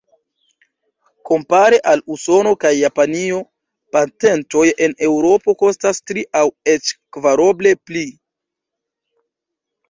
Kompare al Usono kaj Japanio, patentoj en Eŭropo kostas tri aŭ eĉ kvaroble pli.